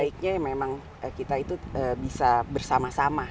sebaiknya memang kita itu bisa bersama sama